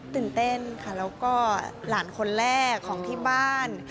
ตื่นเต้นค่ะแล้วก็หลานคนแรกของที่บ้าน